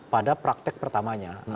pada praktek pertamanya